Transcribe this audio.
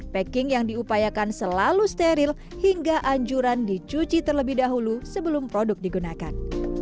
packing yang diupayakan selalu steril hingga anjuran dicuci terlebih dahulu sebelum produk digunakan